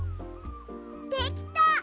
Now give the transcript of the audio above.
できた！